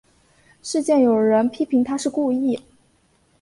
事件有人批评她是故意。